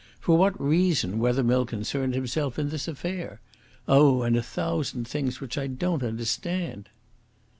For what reason Wethermill concerned himself in this affair? Oh! and a thousand things which I don't understand."